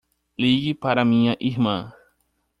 Ligue para a minha irmã.